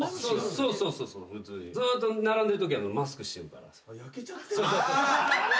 そうそうそうずっと並んでるときマスクしてるからさ。